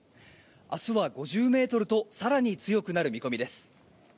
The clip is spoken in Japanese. あすは５０メートルと、さらに強くなる見込みです。